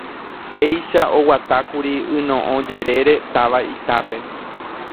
Péicha oguatákuri ynoʼõ jerére táva Itápe.